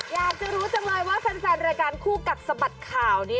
อยากจะรู้จังเลยว่าแฟนรายการคู่กัดสะบัดข่าวนี้